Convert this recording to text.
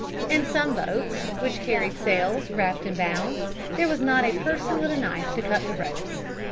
In some boats, which carried sails wrapped and bound, there was not a person with a knife to cut the ropes.